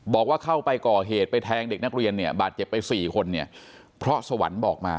บอกว่าเข้าไปก่อเหตุไปแทงเด็กนักเรียนเนี่ยบาดเจ็บไปสี่คนเนี่ยเพราะสวรรค์บอกมา